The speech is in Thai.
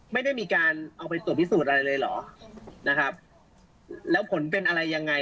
ไม่ได้มีการเอาไปตรวจพิสูจน์อะไรเลยเหรอนะครับแล้วผลเป็นอะไรยังไง